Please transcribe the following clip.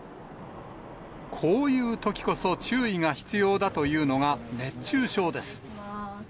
こういうときこそ注意が必要だというのが熱中症です。